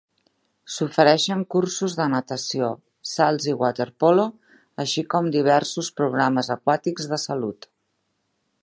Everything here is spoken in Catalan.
S'oferixen cursos de natació, salts i waterpolo, així com diversos programes aquàtics de salut.